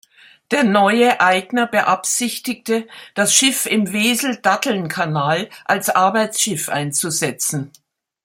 Der neue Eigner beabsichtigte, das Schiff im Wesel-Datteln-Kanal als Arbeitsschiff einzusetzen.